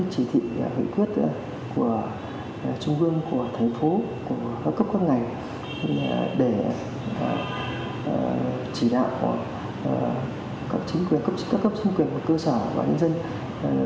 chỉ thị hội quyết của trung ương của thành phố của các cấp các ngành để chỉ đạo các cấp chính quyền của cơ sở và nhân dân